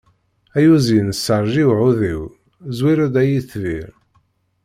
Ay uzyin serǧ i uɛudiw, zwir-d ay itbir.